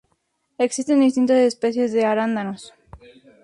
Existen distintas especies de arándanos.